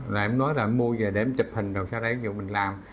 rồi em nói là em mua về để em chụp hình rồi sau đấy dù mình làm